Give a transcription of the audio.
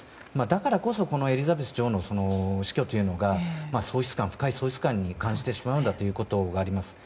だからこそエリザベス女王の死去というのが深い喪失感を感じてしまうということがあります。